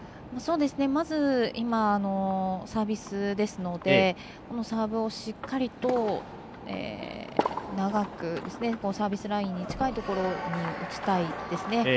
まず今はサービスですのでサーブをしっかりと長くサービスラインに近いところに打ちたいですね。